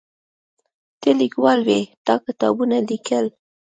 ته لیکوال وې تا کتابونه لیکل.